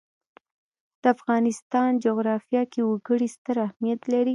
د افغانستان جغرافیه کې وګړي ستر اهمیت لري.